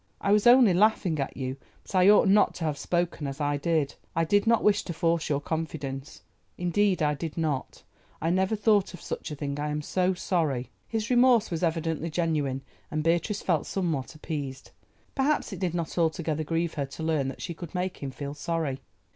"I was only laughing at you, but I ought not to have spoken as I did. I did not wish to force your confidence, indeed I did not. I never thought of such a thing. I am so sorry." His remorse was evidently genuine, and Beatrice felt somewhat appeased. Perhaps it did not altogether grieve her to learn that she could make him feel sorry.